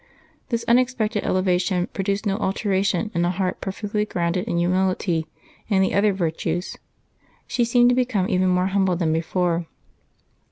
This unexpected elevation produced no alteration in a heart perfectly grounded in humility and the other virtues; she seemed to become even more humble than before.